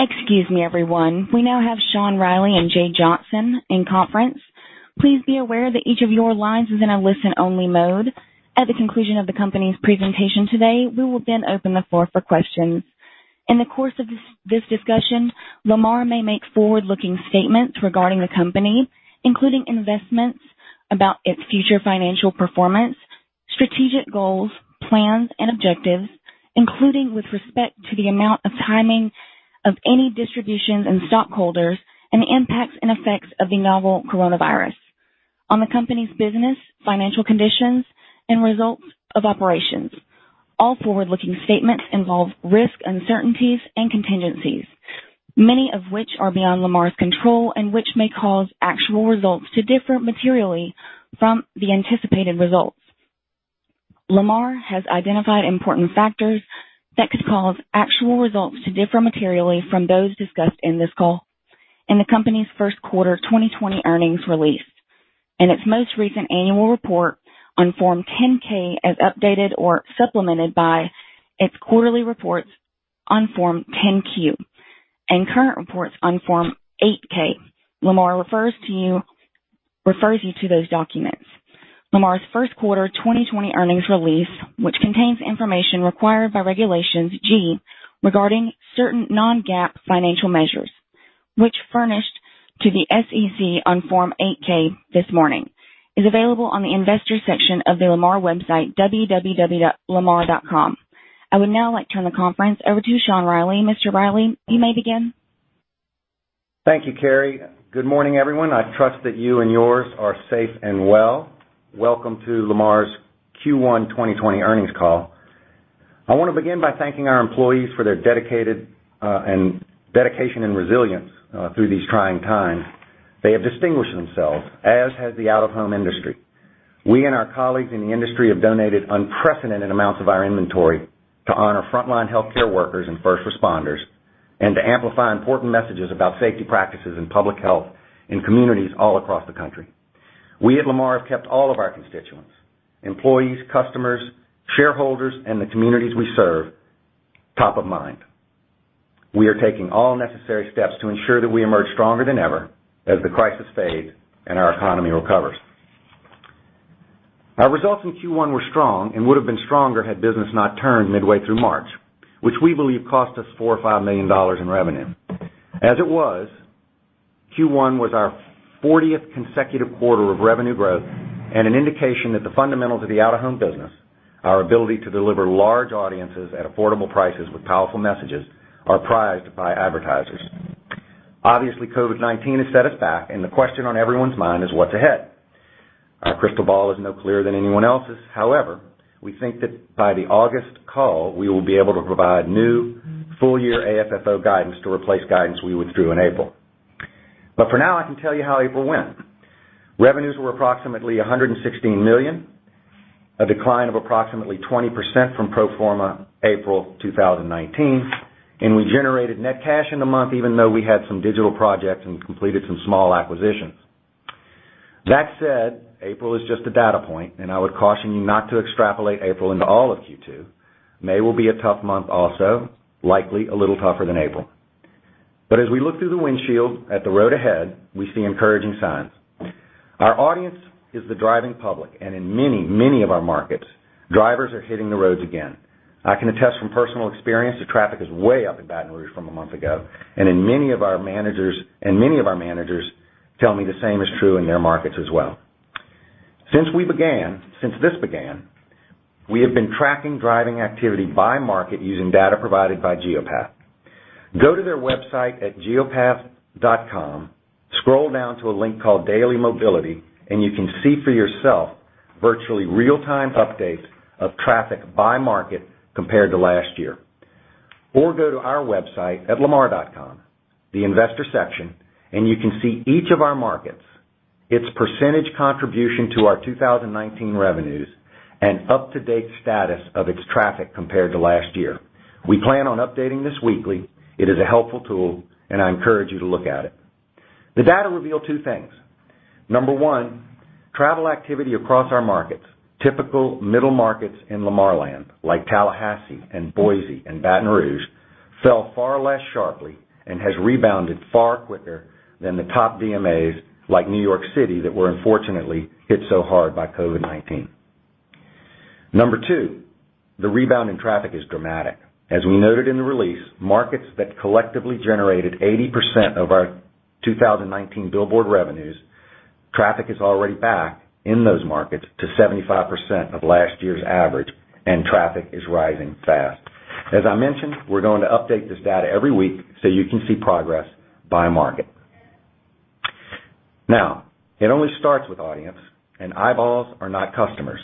Excuse me, everyone. We now have Sean Reilly and Jay Johnson in conference. Please be aware that each of your lines is in a listen-only mode. At the conclusion of the company's presentation today, we will then open the floor for questions. In the course of this discussion, Lamar may make forward-looking statements regarding the company, including investments about its future financial performance, strategic goals, plans and objectives, including with respect to the amount of timing of any distributions and stockholders, and the impacts and effects of the novel coronavirus on the company's business, financial conditions, and results of operations. All forward-looking statements involve risks, uncertainties and contingencies, many of which are beyond Lamar's control and which may cause actual results to differ materially from the anticipated results. Lamar has identified important factors that could cause actual results to differ materially from those discussed in this call in the company's first quarter 2020 earnings release and its most recent annual report on Form 10-K as updated or supplemented by its quarterly reports on Form 10-Q and current reports on Form 8-K. Lamar refers you to those documents. Lamar's first quarter 2020 earnings release, which contains information required by Regulation G regarding certain non-GAAP financial measures, which furnished to the SEC on Form 8-K this morning, is available on the investor section of the lamar website, www.lamar.com. I would now like to turn the conference over to Sean Reilly. Mr. Reilly, you may begin. Thank you, Carrie. Good morning, everyone. I trust that you and yours are safe and well. Welcome to Lamar's Q1 2020 earnings call. I want to begin by thanking our employees for their dedication and resilience through these trying times. They have distinguished themselves, as has the out-of-home industry. We and our colleagues in the industry have donated unprecedented amounts of our inventory to honor frontline healthcare workers and first responders, and to amplify important messages about safety practices and public health in communities all across the country. We at Lamar have kept all of our constituents, employees, customers, shareholders, and the communities we serve top of mind. We are taking all necessary steps to ensure that we emerge stronger than ever as the crisis fades and our economy recovers. Our results in Q1 were strong and would've been stronger had business not turned midway through March, which we believe cost us $4 million or $5 million in revenue. As it was, Q1 was our 40th consecutive quarter of revenue growth, and an indication that the fundamentals of the out-of-home business, our ability to deliver large audiences at affordable prices with powerful messages, are prized by advertisers. Obviously, COVID-19 has set us back, and the question on everyone's mind is what's ahead. Our crystal ball is no clearer than anyone else's. However, we think that by the August call, we will be able to provide new full-year AFFO guidance to replace guidance we withdrew in April. For now, I can tell you how April went. Revenues were approximately $116 million, a decline of approximately 20% from pro forma April 2019, we generated net cash in the month even though we had some digital projects and completed some small acquisitions. That said, April is just a data point, and I would caution you not to extrapolate April into all of Q2. May will be a tough month also, likely a little tougher than April. As we look through the windshield at the road ahead, we see encouraging signs. Our audience is the driving public, and in many of our markets, drivers are hitting the roads again. I can attest from personal experience that traffic is way up in Baton Rouge from a month ago, and many of our managers tell me the same is true in their markets as well. Since this began, we have been tracking driving activity by market using data provided by Geopath. Go to their website at geopath.com, scroll down to a link called Daily Mobility, you can see for yourself virtually real-time updates of traffic by market compared to last year. Go to our website at lamar.com, the investor section, you can see each of our markets, its percentage contribution to our 2019 revenues, and up-to-date status of its traffic compared to last year. We plan on updating this weekly. It is a helpful tool, and I encourage you to look at it. The data reveal two things. Number one, travel activity across our markets, typical middle markets in Lamar land, like Tallahassee and Boise and Baton Rouge, fell far less sharply and has rebounded far quicker than the top DMAs like New York City that were unfortunately hit so hard by COVID-19. Number two, the rebound in traffic is dramatic. As we noted in the release, markets that collectively generated 80% of our 2019 billboard revenues, traffic is already back in those markets to 75% of last year's average, traffic is rising fast. As I mentioned, we're going to update this data every week so you can see progress by market. It only starts with audience, eyeballs are not customers.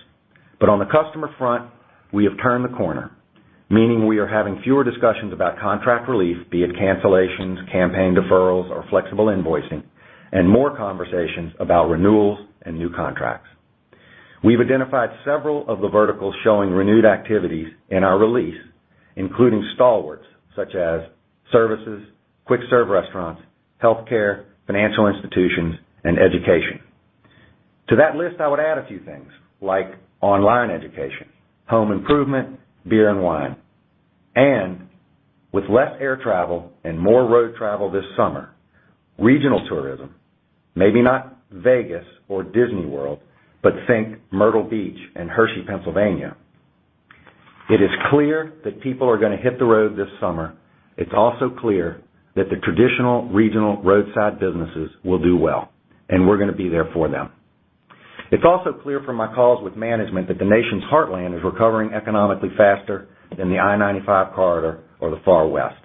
On the customer front, we have turned the corner, meaning we are having fewer discussions about contract relief, be it cancellations, campaign deferrals, or flexible invoicing, more conversations about renewals and new contracts. We've identified several of the verticals showing renewed activities in our release, including stalwarts such as services, quick-serve restaurants, healthcare, financial institutions, and education. To that list, I would add a few things like online education, home improvement, beer and wine. With less air travel and more road travel this summer, regional tourism, maybe not Vegas or Disney World, but think Myrtle Beach and Hershey, Pennsylvania. It is clear that people are going to hit the road this summer. It's also clear that the traditional regional roadside businesses will do well, we're going to be there for them. It's also clear from my calls with management that the nation's heartland is recovering economically faster than the I-95 corridor or the Far West.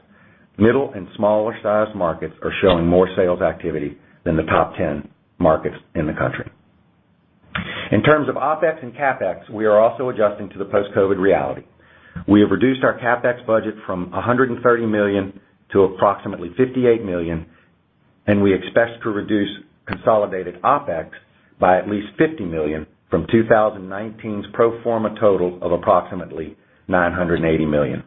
Middle and smaller-sized markets are showing more sales activity than the top 10 markets in the country. In terms of OpEx and CapEx, we are also adjusting to the post-COVID reality. We have reduced our CapEx budget from $130 million to approximately $58 million, and we expect to reduce consolidated OpEx by at least $50 million from 2019's pro forma total of approximately $980 million.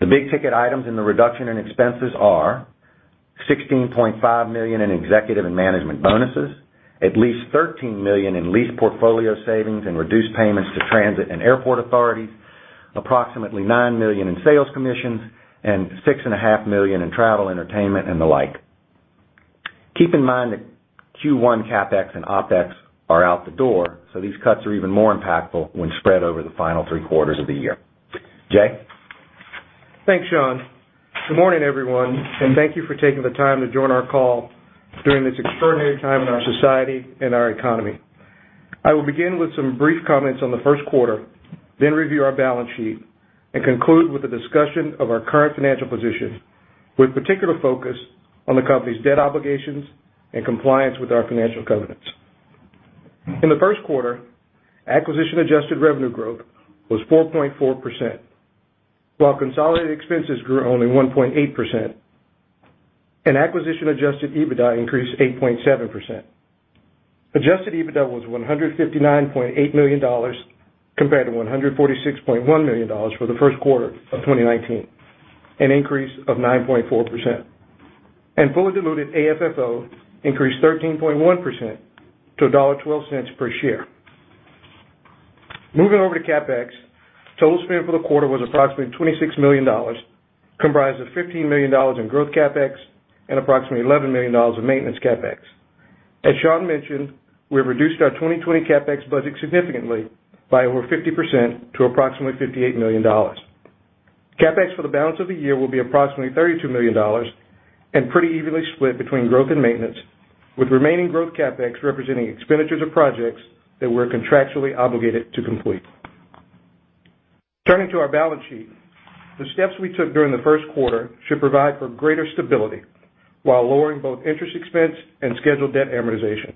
The big-ticket items in the reduction in expenses are $16.5 million in executive and management bonuses, at least $13 million in lease portfolio savings and reduced payments to transit and airport authorities, approximately $9 million in sales commissions, and $6.5 million in travel, entertainment, and the like. Keep in mind that Q1 CapEx and OpEx are out the door. These cuts are even more impactful when spread over the final three quarters of the year. Jay? Thanks, Sean. Good morning, everyone, thank you for taking the time to join our call during this extraordinary time in our society and our economy. I will begin with some brief comments on the first quarter, review our balance sheet and conclude with a discussion of our current financial position, with particular focus on the company's debt obligations and compliance with our financial covenants. In the first quarter, acquisition-adjusted revenue growth was 4.4%, while consolidated expenses grew only 1.8%. Acquisition-adjusted EBITDA increased 8.7%. Adjusted EBITDA was $159.8 million, compared to $146.1 million for the first quarter of 2019, an increase of 9.4%. Fully diluted AFFO increased 13.1% to $1.12 per share. Moving over to CapEx, total spend for the quarter was approximately $26 million, comprised of $15 million in growth CapEx and approximately $11 million in maintenance CapEx. As Sean mentioned, we have reduced our 2020 CapEx budget significantly by over 50% to approximately $58 million. CapEx for the balance of the year will be approximately $32 million and pretty evenly split between growth and maintenance, with remaining growth CapEx representing expenditures of projects that we're contractually obligated to complete. Turning to our balance sheet. The steps we took during the first quarter should provide for greater stability while lowering both interest expense and scheduled debt amortization.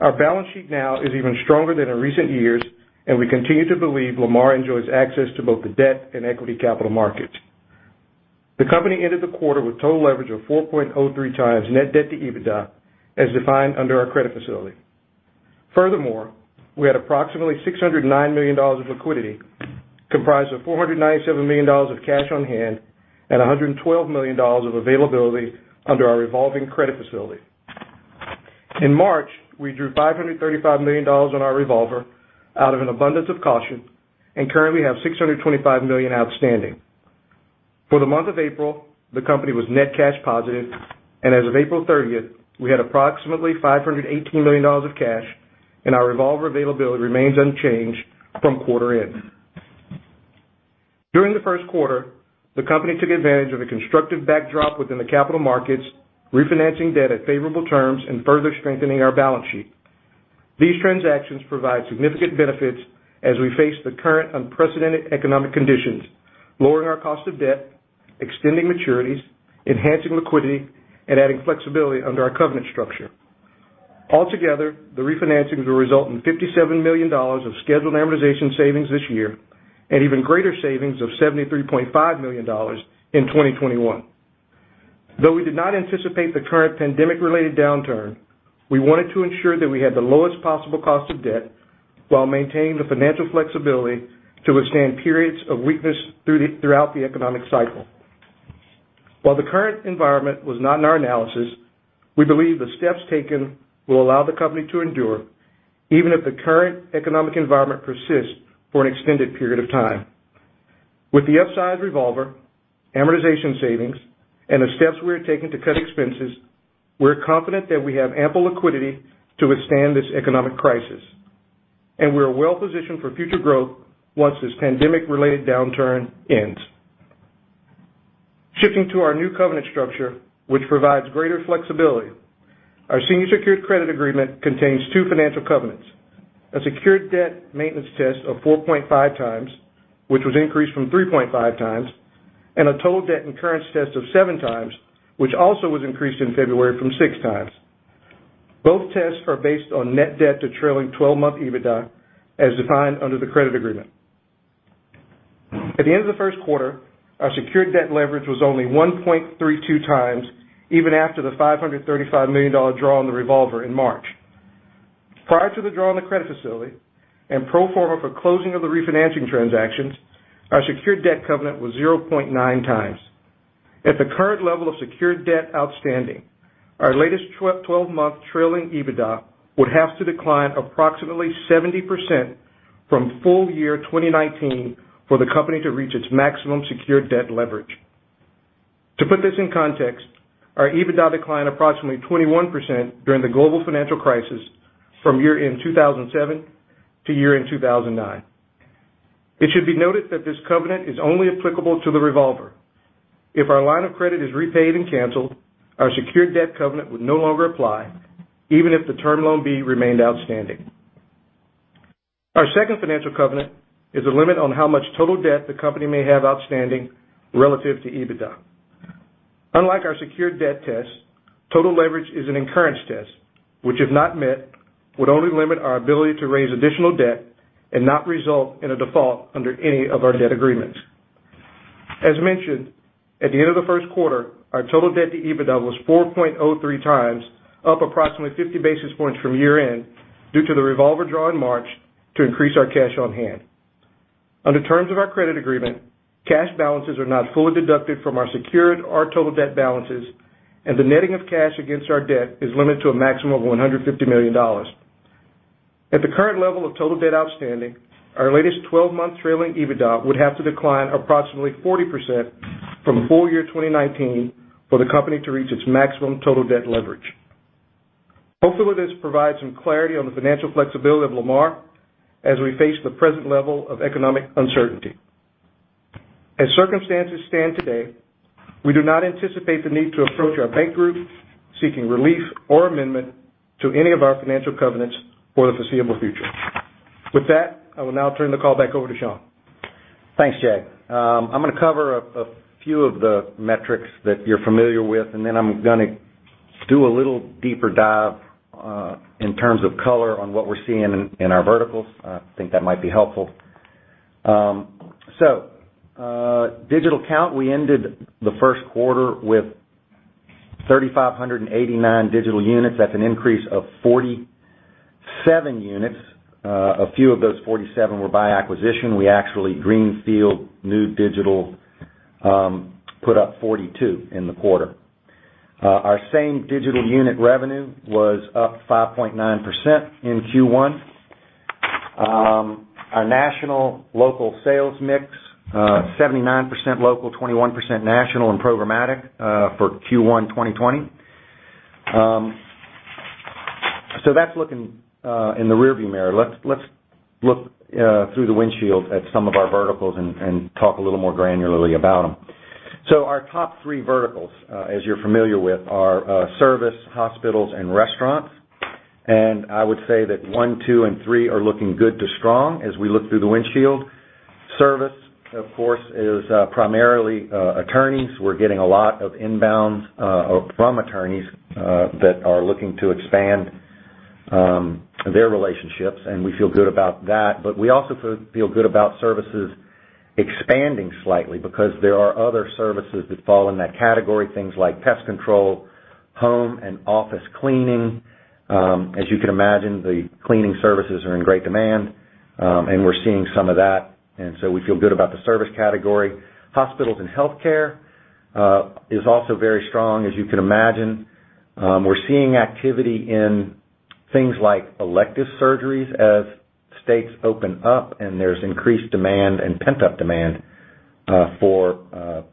Our balance sheet now is even stronger than in recent years, and we continue to believe Lamar enjoys access to both the debt and equity capital markets. The company ended the quarter with total leverage of 4.03 times net debt to EBITDA as defined under our credit facility. We had approximately $609 million of liquidity, comprised of $497 million of cash on hand and $112 million of availability under our revolving credit facility. In March, we drew $535 million on our revolver out of an abundance of caution and currently have $625 million outstanding. For the month of April, the company was net cash positive. As of April 30th, we had approximately $518 million of cash, and our revolver availability remains unchanged from quarter end. During the first quarter, the company took advantage of the constructive backdrop within the capital markets, refinancing debt at favorable terms and further strengthening our balance sheet. These transactions provide significant benefits as we face the current unprecedented economic conditions, lowering our cost of debt, extending maturities, enhancing liquidity, and adding flexibility under our covenant structure. The refinancings will result in $57 million of scheduled amortization savings this year and even greater savings of $73.5 million in 2021. We did not anticipate the current pandemic-related downturn, we wanted to ensure that we had the lowest possible cost of debt while maintaining the financial flexibility to withstand periods of weakness throughout the economic cycle. The current environment was not in our analysis, we believe the steps taken will allow the company to endure, even if the current economic environment persists for an extended period of time. With the upsized revolver, amortization savings, and the steps we are taking to cut expenses, we're confident that we have ample liquidity to withstand this economic crisis, and we are well positioned for future growth once this pandemic-related downturn ends. Shifting to our new covenant structure, which provides greater flexibility. Our senior secured credit agreement contains two financial covenants, a secured debt maintenance test of 4.5 times, which was increased from 3.5 times. A total debt incurrence test of seven times, which also was increased in February from six times. Both tests are based on net debt to trailing 12-month EBITDA as defined under the credit agreement. At the end of the first quarter, our secured debt leverage was only 1.32 times even after the $535 million draw on the revolver in March. Prior to the draw on the credit facility and pro forma for closing of the refinancing transactions, our secured debt covenant was 0.9 times. At the current level of secured debt outstanding, our latest 12-month trailing EBITDA would have to decline approximately 70% from full year 2019 for the company to reach its maximum secured debt leverage. To put this in context, our EBITDA declined approximately 21% during the global financial crisis from year-end 2007 to year-end 2009. It should be noted that this covenant is only applicable to the revolver. If our line of credit is repaid and canceled, our secured debt covenant would no longer apply, even if the Term Loan B remained outstanding. Our second financial covenant is a limit on how much total debt the company may have outstanding relative to EBITDA. Unlike our secured debt test, total leverage is an incurrence test, which if not met, would only limit our ability to raise additional debt and not result in a default under any of our debt agreements. As mentioned, at the end of the first quarter, our total debt to EBITDA was 4.03 times, up approximately 50 basis points from year-end, due to the revolver draw in March to increase our cash on hand. Under terms of our credit agreement, cash balances are not fully deducted from our secured or total debt balances, and the netting of cash against our debt is limited to a maximum of $150 million. At the current level of total debt outstanding, our latest 12-month trailing EBITDA would have to decline approximately 40% from full year 2019 for the company to reach its maximum total debt leverage. Hopefully, this provides some clarity on the financial flexibility of Lamar as we face the present level of economic uncertainty. As circumstances stand today, we do not anticipate the need to approach our bank group seeking relief or amendment to any of our financial covenants for the foreseeable future. With that, I will now turn the call back over to Sean. Thanks, Jay. I'm going to cover a few of the metrics that you're familiar with. I'm going to do a little deeper dive in terms of color on what we're seeing in our verticals. I think that might be helpful. Digital count, we ended the first quarter with 3,589 digital units. That's an increase of 47 units. A few of those 47 were by acquisition. We actually greenfield new digital, put up 42 in the quarter. Our same digital unit revenue was up 5.9% in Q1. Our national/local sales mix, 79% local, 21% national and programmatic for Q1 2020. That's looking in the rearview mirror. Let's look through the windshield at some of our verticals and talk a little more granularly about them. Our top three verticals, as you're familiar with, are service, hospitals, and restaurants. I would say that one, two, and three are looking good to strong as we look through the windshield. Service, of course, is primarily attorneys. We're getting a lot of inbounds from attorneys that are looking to expand their relationships, and we feel good about that. We also feel good about services expanding slightly because there are other services that fall in that category, things like pest control, home and office cleaning. As you can imagine, the cleaning services are in great demand, and we're seeing some of that. We feel good about the service category. Hospitals and healthcare is also very strong. As you can imagine, we're seeing activity in things like elective surgeries as states open up and there's increased demand and pent-up demand for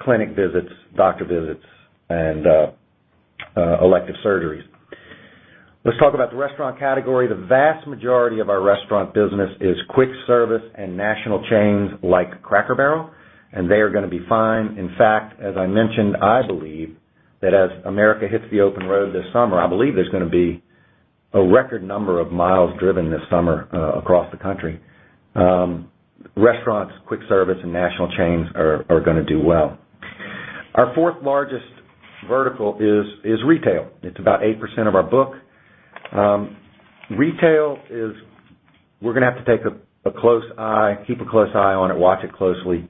clinic visits, doctor visits, and elective surgeries. Let's talk about the restaurant category. The vast majority of our restaurant business is quick service and national chains like Cracker Barrel, and they are going to be fine. In fact, as I mentioned, I believe that as America hits the open road this summer, I believe there's going to be a record number of miles driven this summer across the country. Restaurants, quick service, and national chains are going to do well. Our fourth largest vertical is retail. It's about 8% of our book. Retail, we're going to have to take a close eye, keep a close eye on it, watch it closely.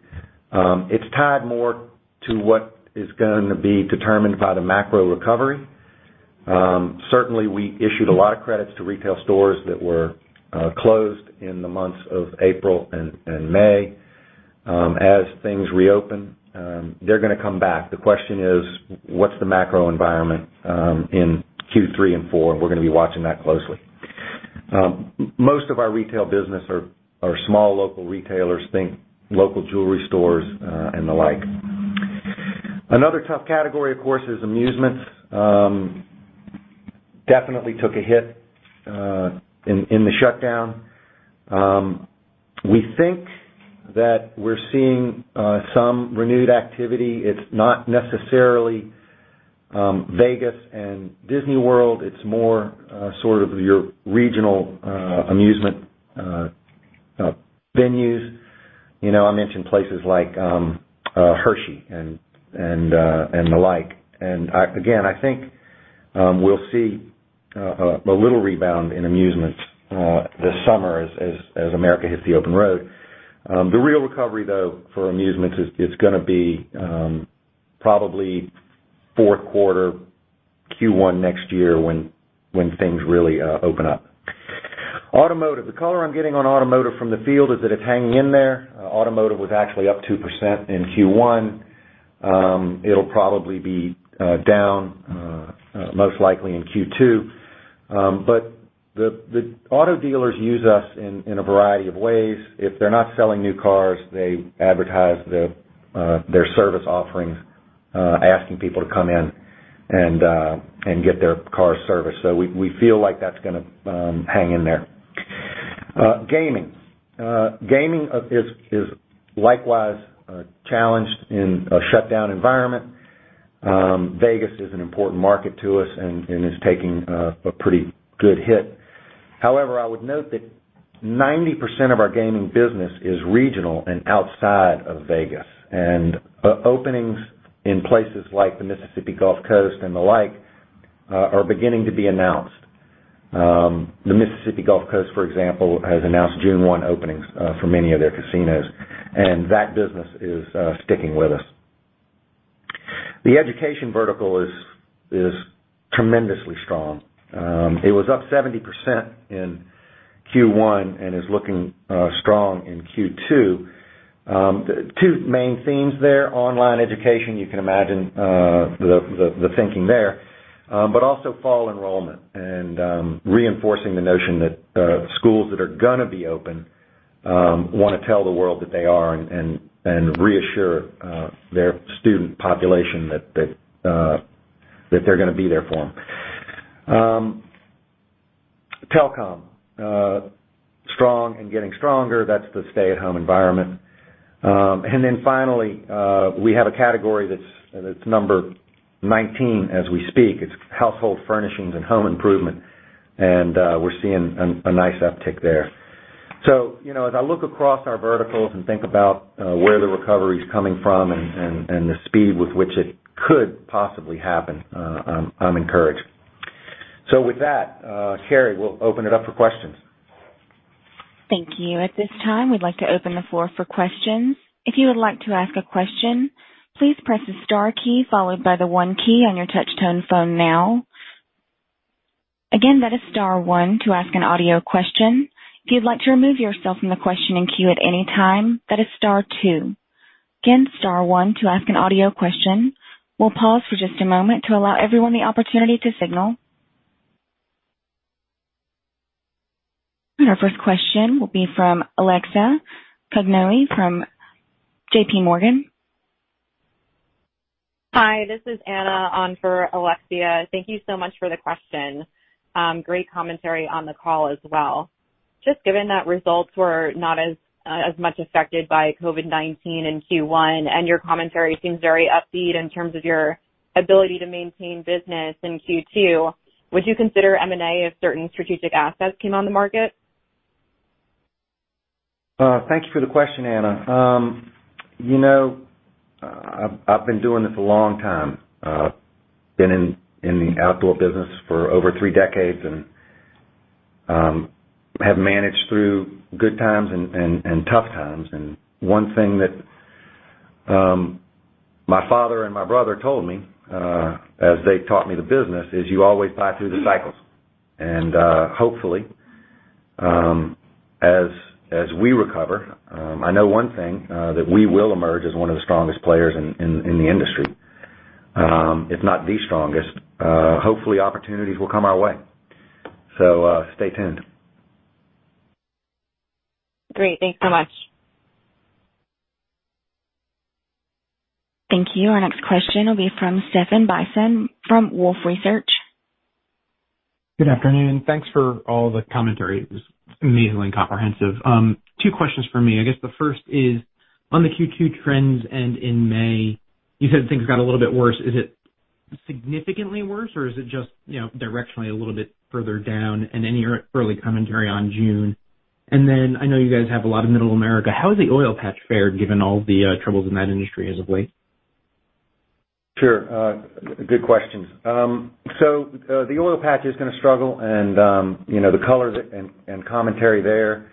It's tied more to what is going to be determined by the macro recovery. Certainly, we issued a lot of credits to retail stores that were closed in the months of April and May. As things reopen, they're going to come back. The question is: what's the macro environment in Q3 and four? We're going to be watching that closely. Most of our retail business are small local retailers, think local jewelry stores and the like. Another tough category, of course, is amusements. Definitely took a hit in the shutdown. We think that we're seeing some renewed activity. It's not necessarily Vegas and Disney World. It's more sort of your regional amusement venues. I mentioned places like Hershey and the like. Again, I think we'll see a little rebound in amusements this summer as America hits the open road. The real recovery, though, for amusements is going to be probably fourth quarter Q1 next year when things really open up. Automotive. The color I'm getting on automotive from the field is that it's hanging in there. Automotive was actually up 2% in Q1. It'll probably be down, most likely in Q2. The auto dealers use us in a variety of ways. If they're not selling new cars, they advertise their service offerings, asking people to come in and get their car serviced. We feel like that's going to hang in there. Gaming. Gaming is likewise challenged in a shutdown environment. Vegas is an important market to us and is taking a pretty good hit. However, I would note that 90% of our gaming business is regional and outside of Vegas. Openings in places like the Mississippi Gulf Coast and the like are beginning to be announced. The Mississippi Gulf Coast, for example, has announced June 1 openings for many of their casinos, and that business is sticking with us. The education vertical is tremendously strong. It was up 70% in Q1 and is looking strong in Q2. Two main themes there, online education, you can imagine the thinking there, but also fall enrollment and reinforcing the notion that schools that are going to be open want to tell the world that they are and reassure their student population that they're going to be there for them. Telecom. Strong and getting stronger. That's the stay-at-home environment. Then finally, we have a category that's number 19 as we speak. It's household furnishings and home improvement, and we're seeing a nice uptick there. As I look across our verticals and think about where the recovery is coming from and the speed with which it could possibly happen, I'm encouraged. With that, Carrie, we'll open it up for questions. Thank you. At this time, we'd like to open the floor for questions. If you would like to ask a question, please press the star key followed by the one key on your touch-tone phone now. Again, that is star one to ask an audio question. If you'd like to remove yourself from the questioning queue at any time, that is star two. Again, star one to ask an audio question. We'll pause for just a moment to allow everyone the opportunity to signal. Our first question will be from Alexia Quadrani from JPMorgan. Hi, this is Anna on for Alexia. Thank you so much for the question. Great commentary on the call as well. Just given that results were not as much affected by COVID-19 in Q1, and your commentary seems very upbeat in terms of your ability to maintain business in Q2, would you consider M&A if certain strategic assets came on the market? Thanks for the question, Anna. I've been doing this a long time. Been in the outdoor business for over three decades and have managed through good times and tough times. One thing that my father and my brother told me, as they taught me the business, is you always buy through the cycles. Hopefully, as we recover, I know one thing, that we will emerge as one of the strongest players in the industry. If not the strongest. Hopefully, opportunities will come our way. Stay tuned. Great. Thanks so much. Thank you. Our next question will be from Stephan Bisson from Wolfe Research. Good afternoon. Thanks for all the commentary. It was amazingly comprehensive. Two questions from me. I guess the first is, on the Q2 trends and in May, you said things got a little bit worse. Is it significantly worse, or is it just directionally a little bit further down? Any early commentary on June. Then I know you guys have a lot of Middle America. How has the oil patch fared given all the troubles in that industry as of late? Sure. Good questions. The oil patch is going to struggle and the color and commentary there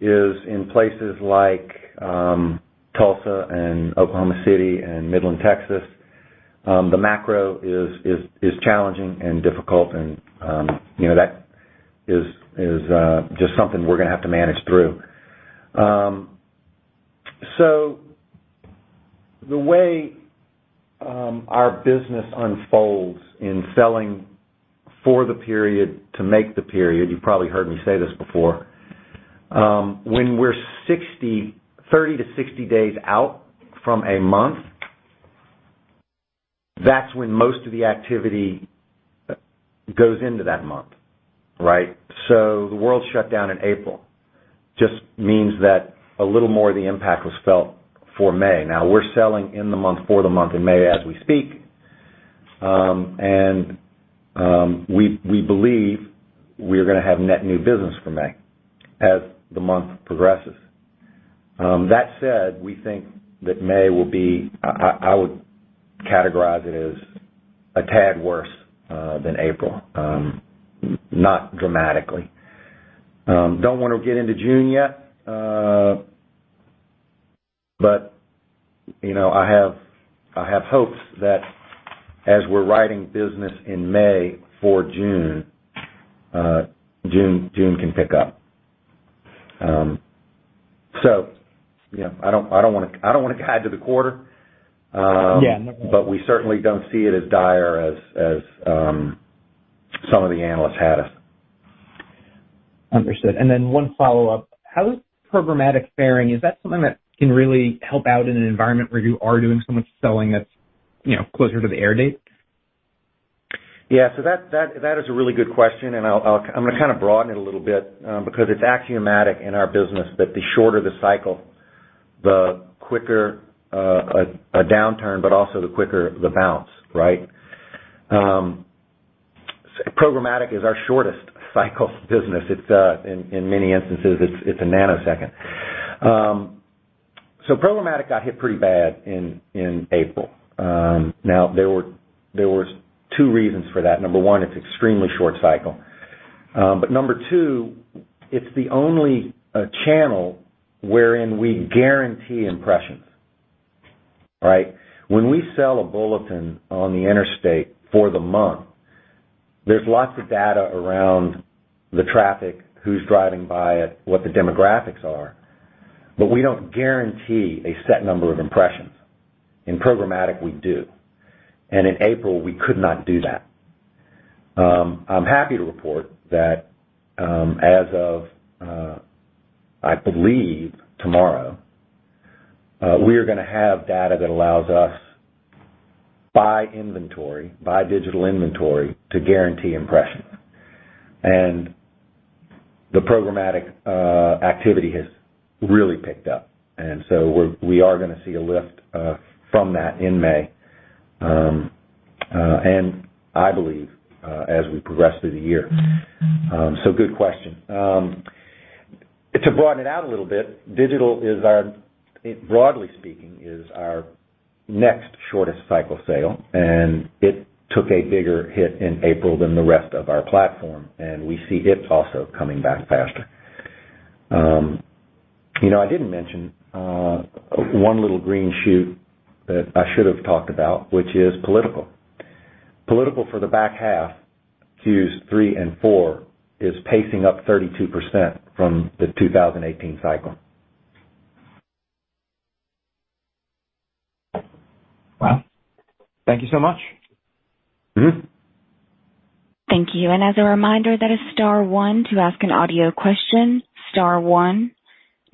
is in places like Tulsa and Oklahoma City and Midland, Texas. The macro is challenging and difficult and that is just something we're going to have to manage through. The way our business unfolds in selling for the period to make the period, you probably heard me say this before, when we're 30 to 60 days out from a month, that's when most of the activity goes into that month. Right? The world shut down in April. Just means that a little more of the impact was felt for May. Now we're selling in the month for the month of May as we speak. We believe we are going to have net new business for May as the month progresses. That said, we think that May will be I would categorize it as a tad worse than April. Not dramatically. Don't want to get into June yet. I have hopes that as we're writing business in May for June can pick up. I don't want to guide to the quarter. Yeah, no. We certainly don't see it as dire as some of the analysts had us. Understood. One follow-up. How is programmatic faring? Is that something that can really help out in an environment where you are doing so much selling that's closer to the air date? That is a really good question, and I'm going to kind of broaden it a little bit, because it's axiomatic in our business that the shorter the cycle, the quicker a downturn, but also the quicker the bounce, right? programmatic is our shortest cycle business. In many instances, it's a nanosecond. programmatic got hit pretty bad in April. There were two reasons for that. Number one, it's extremely short cycle. Number two, it's the only channel wherein we guarantee impressions, right? When we sell a bulletin on the interstate for the month, there's lots of data around the traffic, who's driving by it, what the demographics are, but we don't guarantee a set number of impressions. In programmatic, we do. In April, we could not do that. I'm happy to report that, as of, I believe tomorrow, we are going to have data that allows us by digital inventory to guarantee impressions. The programmatic activity has really picked up, so we are going to see a lift from that in May, and I believe, as we progress through the year. Good question. To broaden it out a little bit, digital, broadly speaking, is our next shortest cycle sale, and it took a bigger hit in April than the rest of our platform, and we see it also coming back faster. I didn't mention one little green shoot that I should have talked about, which is political. Political for the back half, Q3 and 4, is pacing up 32% from the 2018 cycle. Wow. Thank you so much. Thank you. As a reminder, that is star one to ask an audio question. Star one.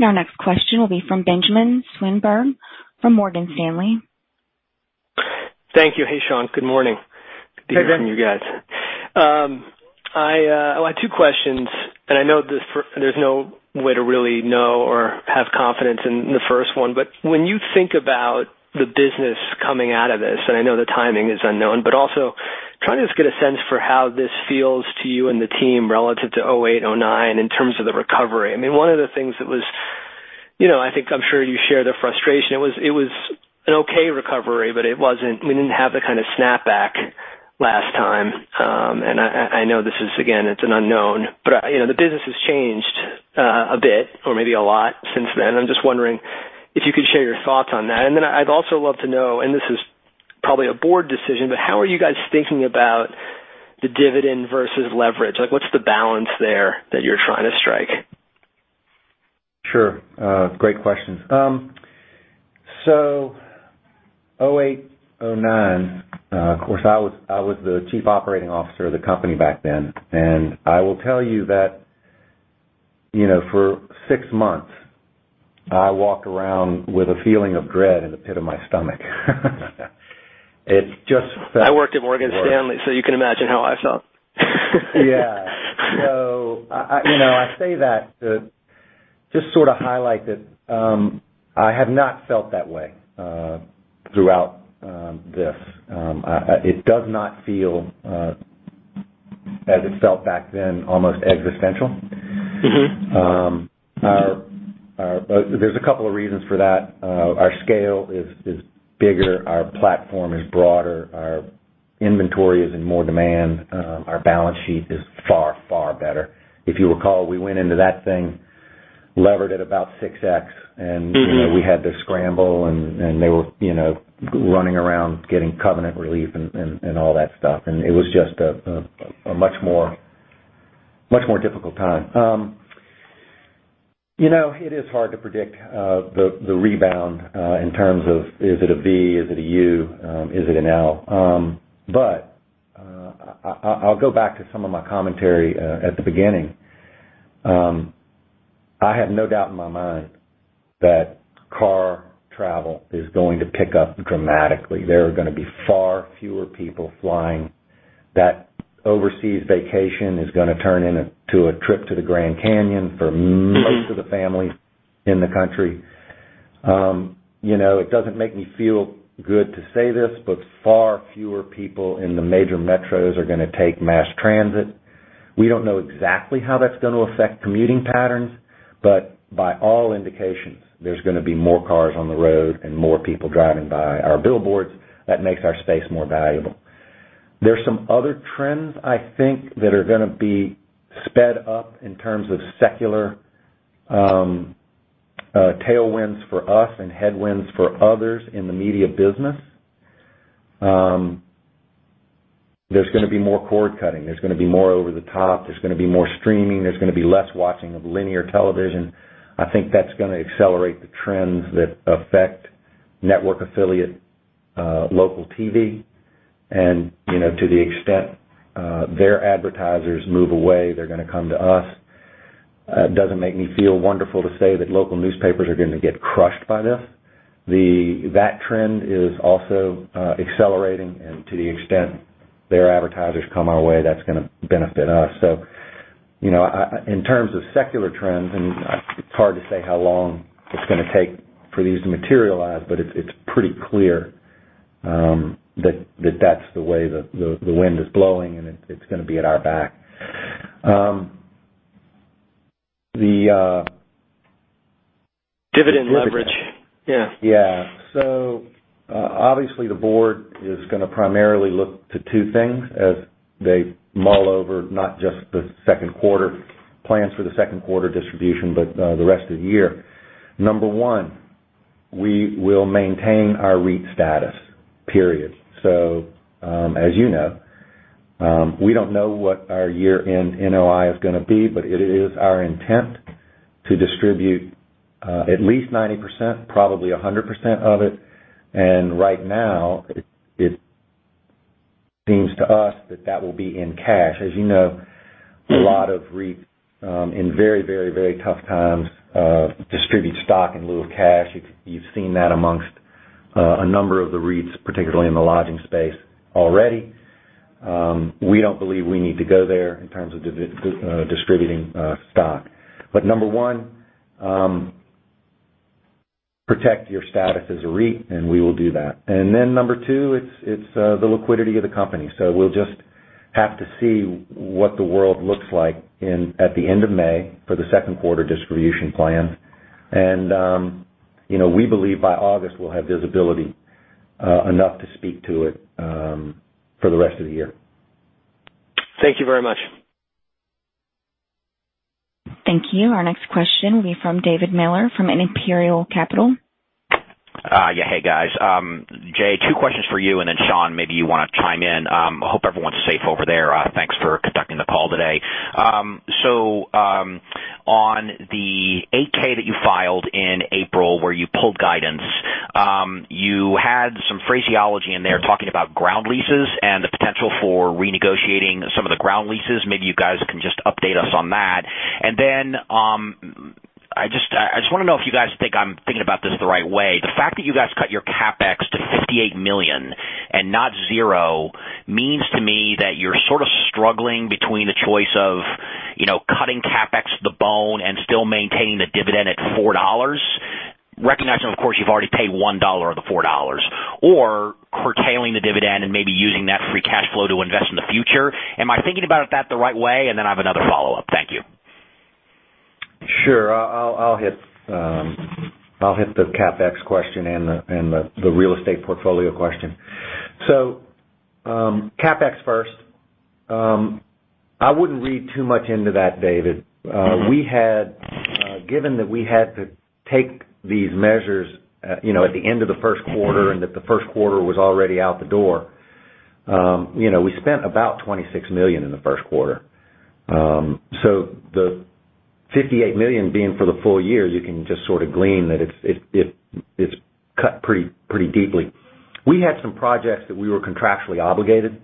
Our next question will be from Benjamin Swinburne from Morgan Stanley. Thank you. Hey, Sean. Good morning. Hey, Ben. Good to hear from you guys. I have two questions, and I know there's no way to really know or have confidence in the first one. When you think about the business coming out of this, and I know the timing is unknown, but also trying to just get a sense for how this feels to you and the team relative to 2008, 2009, in terms of the recovery. I mean, one of the things that was, I think I'm sure you share the frustration. It was an okay recovery, but we didn't have the kind of snap back last time. I know this is, again, it's an unknown, but the business has changed a bit or maybe a lot since then. I'm just wondering if you could share your thoughts on that. Then I'd also love to know, and this is probably a board decision, but how are you guys thinking about the dividend versus leverage? What's the balance there that you're trying to strike? Sure. Great questions. 2008, 2009, of course, I was the Chief Operating Officer of the company back then, and I will tell you that for six months, I walked around with a feeling of dread in the pit of my stomach. I worked at Morgan Stanley, you can imagine how I felt. Yeah. I say that to just sort of highlight that I have not felt that way throughout this. It does not feel as it felt back then, almost existential. There's a couple of reasons for that. Our scale is bigger, our platform is broader, our inventory is in more demand, our balance sheet is far, far better. If you recall, we went into that thing levered at about six X- We had to scramble, and they were running around getting covenant relief and all that stuff, and it was just a much more difficult time. It is hard to predict the rebound in terms of is it a V, is it a U, is it an L? I'll go back to some of my commentary at the beginning. I have no doubt in my mind that car travel is going to pick up dramatically. There are going to be far fewer people flying. That overseas vacation is going to turn into a trip to the Grand Canyon for most of the families in the country. It doesn't make me feel good to say this, but far fewer people in the major metros are going to take mass transit. We don't know exactly how that's going to affect commuting patterns, but by all indications, there's going to be more cars on the road and more people driving by our billboards. That makes our space more valuable. There's some other trends I think that are going to be sped up in terms of secular tailwinds for us and headwinds for others in the media business. There's going to be more cord cutting. There's going to be more over-the-top. There's going to be more streaming. There's going to be less watching of linear television. I think that's going to accelerate the trends that affect network affiliate local TV, and to the extent their advertisers move away, they're going to come to us. It doesn't make me feel wonderful to say that local newspapers are going to get crushed by this. That trend is also accelerating, to the extent their advertisers come our way, that's going to benefit us. In terms of secular trends, it's hard to say how long it's going to take for these to materialize, but it's pretty clear that that's the way the wind is blowing, and it's going to be at our back. Dividend leverage. Dividend. Yeah. Yeah. Obviously, the board is going to primarily look to two things as they mull over not just the plans for the second quarter distribution, but the rest of the year. Number one, we will maintain our REIT status, period. As you know, we don't know what our year-end NOI is going to be, but it is our intent to distribute at least 90%, probably 100% of it. Right now, it seems to us that that will be in cash. As you know, a lot of REIT, in very tough times, distribute stock in lieu of cash. You've seen that amongst a number of the REITs, particularly in the lodging space already. We don't believe we need to go there in terms of distributing stock. Number one, protect your status as a REIT, and we will do that. Number 2, it's the liquidity of the company. We'll just have to see what the world looks like at the end of May for the second quarter distribution plan. We believe by August we'll have visibility enough to speak to it for the rest of the year. Thank you very much. Thank you. Our next question will be from David Miller from Imperial Capital. Yeah. Hey, guys. Jay, 2 questions for you, and then Sean, maybe you want to chime in. I hope everyone's safe over there. Thanks for conducting the call today. On the 8-K that you filed in April where you pulled guidance, you had some phraseology in there talking about ground leases and the potential for renegotiating some of the ground leases. Maybe you guys can just update us on that. Then I just want to know if you guys think I'm thinking about this the right way. The fact that you guys cut your CapEx to $58 million and not zero means to me that you're sort of struggling between the choice of cutting CapEx to the bone and still maintaining the dividend at $4, recognizing, of course, you've already paid $1 of the $4, or curtailing the dividend and maybe using that free cash flow to invest in the future. Am I thinking about that the right way? I have another follow-up. Thank you. Sure. I'll hit the CapEx question and the real estate portfolio question. CapEx first. I wouldn't read too much into that, David. Given that we had to take these measures at the end of the first quarter and that the first quarter was already out the door, we spent about $26 million in the first quarter. The $58 million being for the full year, you can just sort of glean that it's cut pretty deeply. We had some projects that we were contractually obligated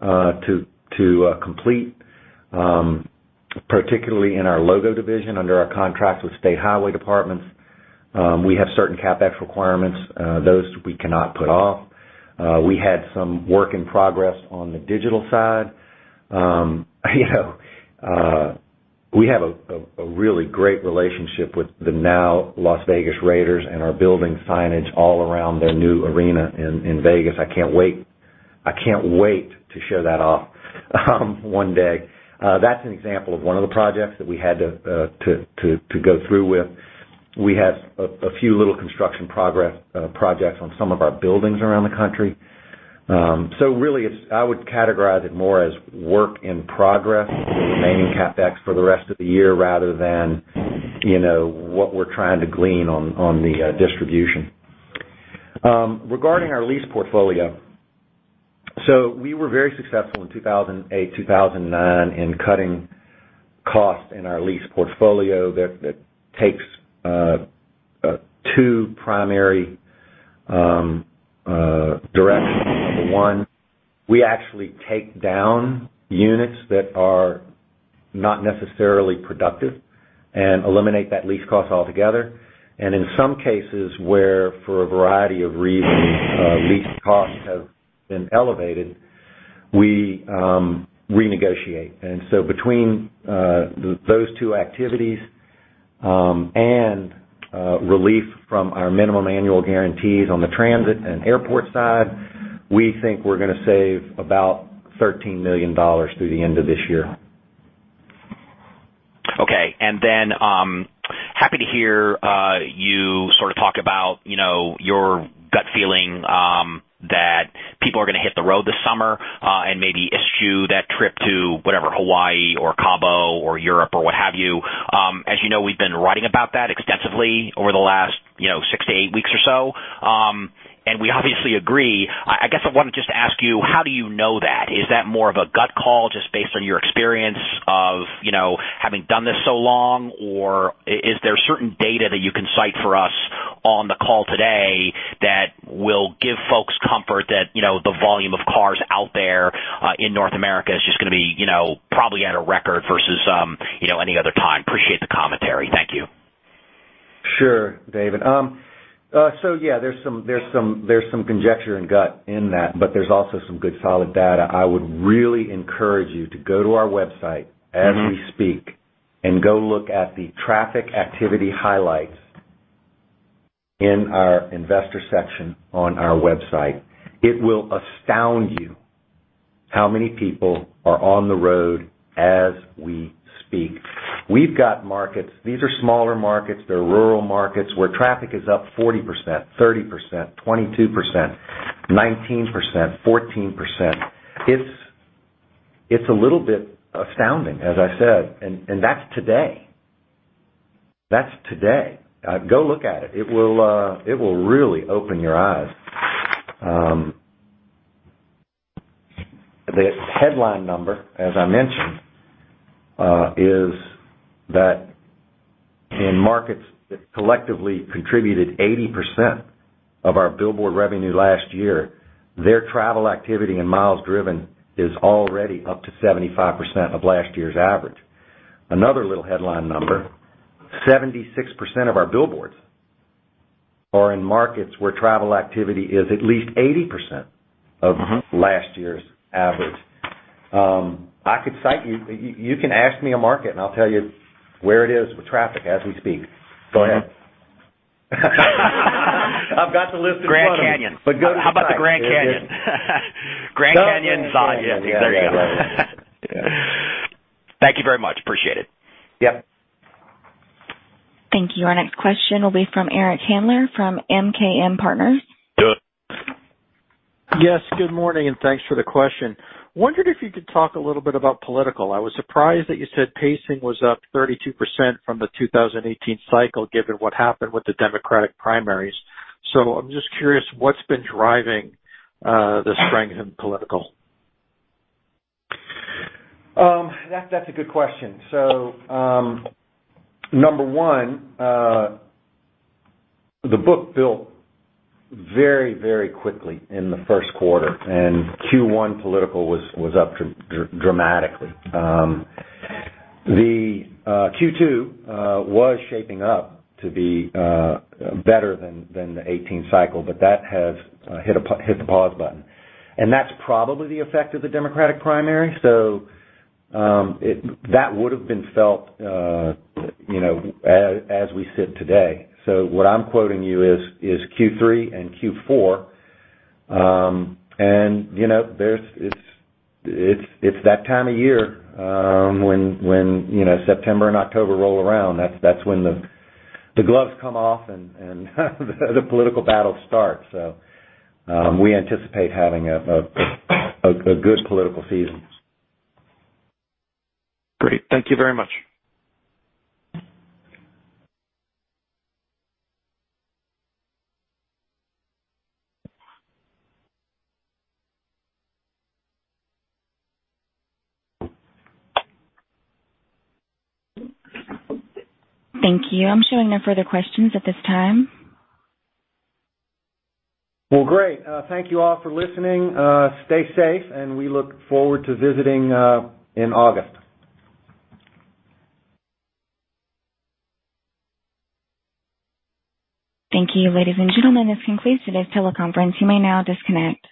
to complete. Particularly in our logo division, under our contract with state highway departments, we have certain CapEx requirements. Those we cannot put off. We had some work in progress on the digital side. We have a really great relationship with the now Las Vegas Raiders and our building signage all around their new arena in Vegas. I can't wait to show that off one day. That's an example of one of the projects that we had to go through with. We had a few little construction projects on some of our buildings around the country. Really, I would categorize it more as work in progress with remaining CapEx for the rest of the year rather than what we're trying to glean on the distribution. Regarding our lease portfolio, we were very successful in 2008, 2009 in cutting costs in our lease portfolio. That takes two primary directions. Number 1, we actually take down units that are not necessarily productive and eliminate that lease cost altogether. In some cases where, for a variety of reasons, lease costs have been elevated, we renegotiate. Between those two activities and relief from our minimum annual guarantees on the transit and airport side, we think we're going to save about $13 million through the end of this year. Happy to hear you sort of talk about your gut feeling that people are going to hit the road this summer and maybe issue that trip to whatever Hawaii or Cabo or Europe or what have you. As you know, we've been writing about that extensively over the last 6 to 8 weeks or so. We obviously agree. I guess I wanted just to ask you, how do you know that? Is that more of a gut call just based on your experience of having done this so long? Or is there certain data that you can cite for us on the call today that will give folks comfort that the volume of cars out there in North America is just going to be probably at a record versus any other time? Appreciate the commentary. Thank you. Sure, David. Yeah, there's some conjecture and gut in that, but there's also some good solid data. I would really encourage you to go to our website as we speak and go look at the traffic activity highlights in our investor section on our website. It will astound you how many people are on the road as we speak. We've got markets, these are smaller markets, they're rural markets, where traffic is up 40%, 30%, 22%, 19%, 14%. It's a little bit astounding, as I said, and that's today. Go look at it. It will really open your eyes. The headline number, as I mentioned, is that in markets that collectively contributed 80% of our billboard revenue last year, their travel activity and miles driven is already up to 75% of last year's average. Another little headline number, 76% of our billboards are in markets where travel activity is at least 80% of last year's average. I could cite you. You can ask me a market, and I'll tell you where it is with traffic as we speak. Go ahead. I've got the list in front of me. Grand Canyon. go ahead. How about the Grand Canyon? The Grand Canyon. Grand Canyon is on. Yeah, there you go. Thank you very much. Appreciate it. Yep. Thank you. Our next question will be from Eric Handler from MKM Partners. Do it. Yes, good morning, and thanks for the question. Wondered if you could talk a little bit about political. I was surprised that you said pacing was up 32% from the 2018 cycle given what happened with the Democratic primaries. I'm just curious what's been driving the strength in political? That's a good question. Number one, the book built very quickly in the first quarter, and Q1 political was up dramatically. The Q2 was shaping up to be better than the 2018 cycle, but that has hit the pause button, and that's probably the effect of the Democratic primary. That would have been felt as we sit today. What I'm quoting you is Q3 and Q4, and it's that time of year when September and October roll around. That's when the gloves come off and the political battle starts. We anticipate having a good political season. Great. Thank you very much. Thank you. I'm showing no further questions at this time. Well, great. Thank you all for listening. Stay safe, and we look forward to visiting in August. Thank you. Ladies and gentlemen, this concludes today's teleconference. You may now disconnect.